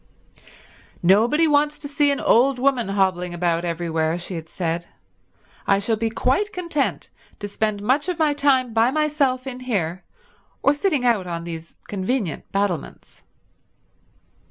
"Nobody wants to see an old woman hobbling about everywhere," she had said. "I shall be quite content to spend much of my time by myself in here or sitting out on these convenient battlements."